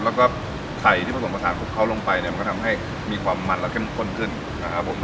แล้วก็ไข่ที่ผสมผสานคลุกเขาลงไปเนี่ยมันก็ทำให้มีความมันและเข้มข้นขึ้นนะครับผม